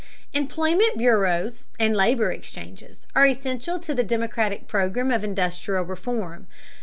Employment bureaus and labor exchanges are essential to the democratic program of industrial reform.